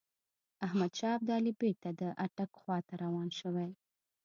احمدشاه ابدالي بیرته د اټک خواته روان شوی.